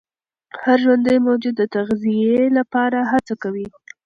هر ژوندي موجود د تغذیې لپاره هڅه کوي.